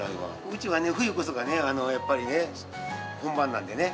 うちはね、冬こそがやっぱりね、本番なんでね。